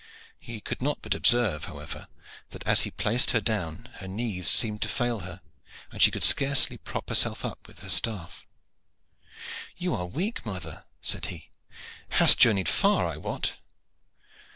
He could not but observe, however, that as he placed her down her knees seemed to fail her, and she could scarcely prop herself up with her staff. "You are weak, mother," said he. "Hast journeyed far, I wot."